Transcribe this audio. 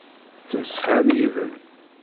Tettemsefham yid-m.